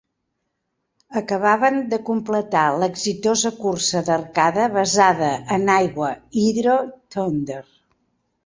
Acabaven de completar l'exitosa cursa d'arcade basada en aigua, Hydro Thunder.